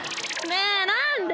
ねえ何で。